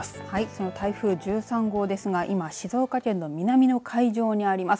その台風１３号ですが今静岡県の南の海上にあります。